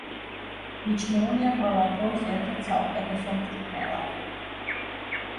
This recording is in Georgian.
მიჩნეულია ყველა დროის ერთ-ერთ საუკეთესო მწვრთნელად.